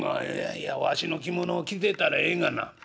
「いやわしの着物を着てたらええがな。